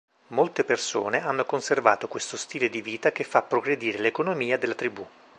Molte persone hanno conservato questo stile di vita che fa progredire l'economia della tribù.